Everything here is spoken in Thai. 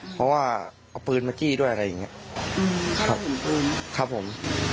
เพราะว่าเอาปืนมาจี้ด้วยอะไรอย่างเงี้ยครับเป็นปืนครับผม